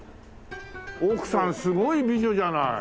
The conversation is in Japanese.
奥さんすごい美女じゃない。